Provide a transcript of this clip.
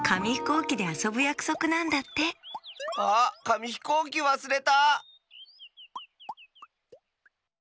うきであそぶやくそくなんだってあっかみひこうきわすれた！